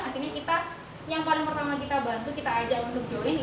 akhirnya kita yang paling pertama kita bantu kita ajak untuk join itu adalah pusat oleh oleh ini